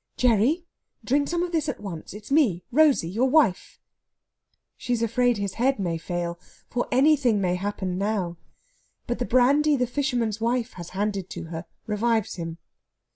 "Gerry, drink some of this at once. It's me Rosey your wife!" She is afraid his head may fail, for anything may happen now; but the brandy the fisherman's wife has handed to her revives him.